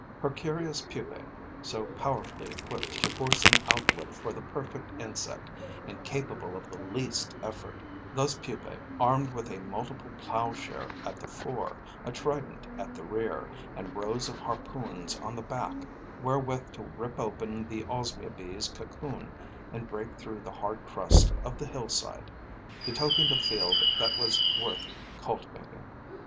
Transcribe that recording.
Her curious pupae, so powerfully equipped to force an outlet for the perfect insect incapable of the least effort, those pupae armed with a multiple plowshare at the fore, a trident at the rear and rows of harpoons on the back wherewith to rip open the Osmia bee's cocoon and break through the hard crust of the hillside, betokened a field that was worth cultivating.